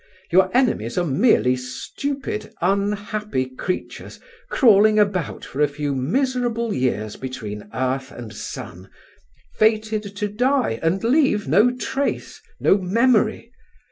Your enemies are merely stupid, unhappy creatures crawling about for a few miserable years between earth and sun; fated to die and leave no trace, no memory.